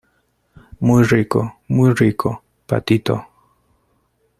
muy rico, muy rico , patito.